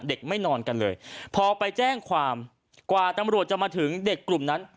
ไม่นอนกันเลยพอไปแจ้งความกว่าตำรวจจะมาถึงเด็กกลุ่มนั้น